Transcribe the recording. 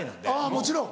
もちろん。